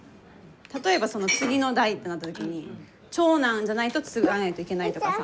例えばその次の代ってなった時に長男じゃないと継がないといけないとかさ